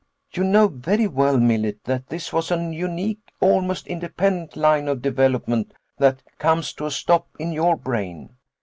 "You know very well, Millet, that this was an unique, almost independent line of development that comes to a stop in your brain.